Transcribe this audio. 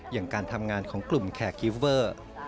อย่างการทำงานของกลุ่มแขกกิฟเวอร์